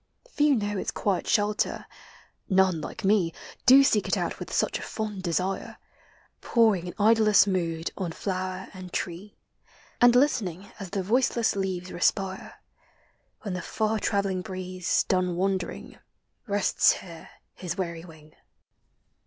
Few know its quiet shelter,— none, like me, Do seek it out with such a fond desire, Poring in idlesse mood on flower and tree, And listening as the voiceless leaves respire — When the far travelling breeze, done wandering, Rests here his weary wing.